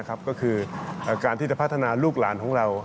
ก็คือการที่จะพัฒนาลูกหลานของเรา